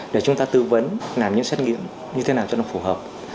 để chúng ta tư vấn làm những xét nghiệm như thế nào cho nó phù hợp